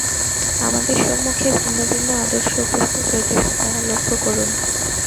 আমাদের সম্মুখে ভিন্ন ভিন্ন আদর্শ উপস্থিত হইতেছে, তাহা লক্ষ্য করুন।